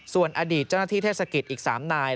ส่วนอดีตเจ้าหน้าที่เทศกิจอีก๓นาย